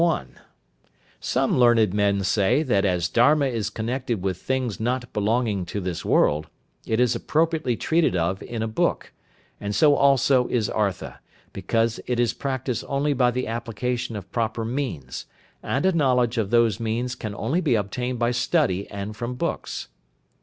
_ Some learned men say that as Dharma is connected with things not belonging to this world, it is appropriately treated of in a book; and so also is Artha, because it is practised only by the application of proper means, and a knowledge of those means can only be obtained by study and from books.